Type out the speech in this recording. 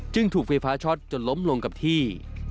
ถูกไฟฟ้าช็อตจนล้มลงกับที่